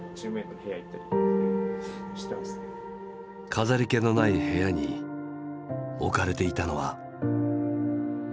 飾り気のない部屋に置かれていたのは。